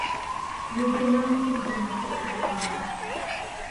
Южгунам утыж дене шокшешлана.